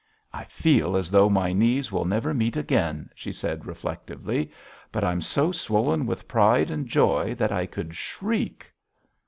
"I feel as though my knees will never meet again," she said reflectively. "But I'm so swollen with pride and joy that I could shriek."